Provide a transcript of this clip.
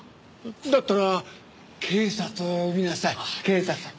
だったら警察を呼びなさい警察を。